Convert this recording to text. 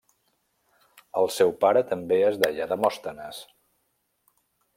El seu pare també es deia Demòstenes.